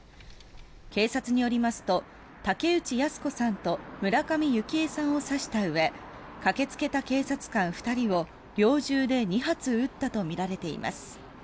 警察によりますと竹内靖子さんと村上幸枝さんを刺したうえ駆けつけた警察官２人を猟銃で２発撃ったとみられています。